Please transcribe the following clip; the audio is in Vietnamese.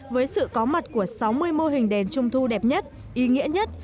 với sự có mặt của sáu mươi mô hình đèn trung thu đẹp nhất ý nghĩa nhất